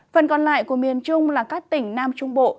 phần còn lại của miền trung là các tỉnh nam trung bộ